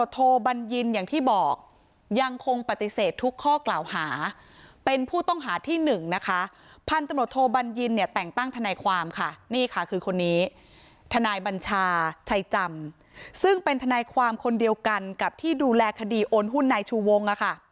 ทนายบัญชาไชจำซึ่งเป็นทนายความคนเดียวกันกับที่ดูแลคดีโอนหุ้นนายชูวง